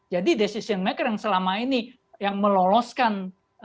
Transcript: jadi pembuat keputusan yang selama ini yang meloloskan